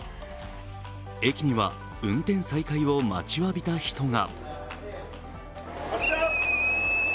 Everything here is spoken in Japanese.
駅には運転再開を待ちわびた人が。